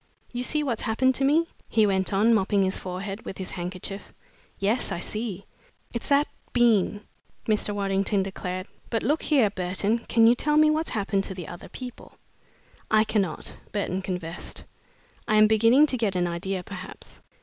You see what's happened to me?" he went on, mopping his forehead with his handkerchief. "Yes, I see! "It's that d d bean!" Mr. Waddington declared. "But look here, Burton, can you tell me what's happened to the other people?" "I cannot," Burton confessed. "I am beginning to get an idea, perhaps."